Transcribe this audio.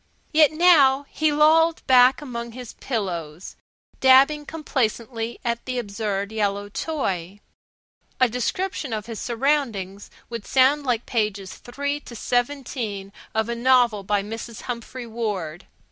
Yet now he lolled back among his pillows, dabbling complacently at the absurd yellow toy. A description of his surroundings would sound like Pages 3 to 17 of a novel by Mrs. Humphry Ward.